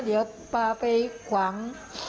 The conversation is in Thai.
เดี๋ยวปลาไปขวาง